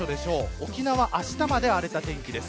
沖縄あしたまで荒れた天気です。